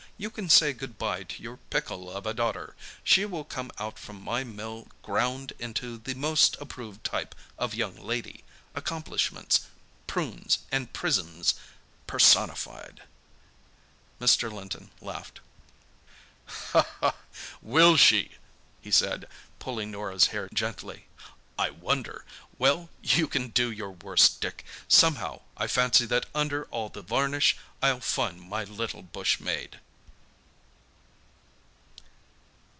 —you can say good bye to your pickle of a daughter. She will come out from my mill ground into the most approved type of young lady—accomplishments, prunes and prisms personified!" Mr. Linton laughed. "Will she?" he said, pulling Norah's hair gently. "I wonder! Well, you can do your worst, Dick. Somehow, I fancy that under all the varnish I'll find my little bush maid."